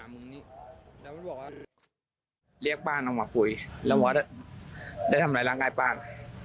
เรียกป่านออกมาคุยแล้ววัดได้ทำร้ายร่างกายป่าน